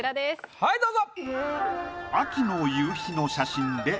はいどうぞ。